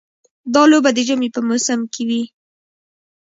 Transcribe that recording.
دا لوبه د ژمي په موسم کې وي.